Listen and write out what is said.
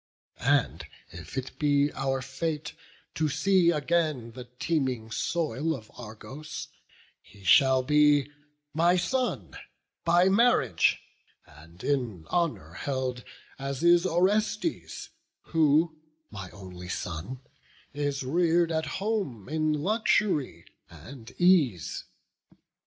And if it be our fate to see again The teeming soil of Argos, he shall be My son by marriage; and in honour held As is Orestes, who, my only son, Is rear'd at home in luxury and ease.